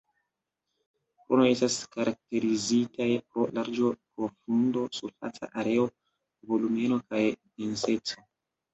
Kronoj estas karakterizitaj pro larĝo, profundo, surfaca areo, volumeno, kaj denseco.